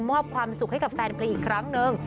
มอบความสุขให้กับแฟนเพลงอีกครั้งนึง